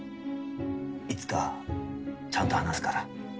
いつかちゃんと話すから。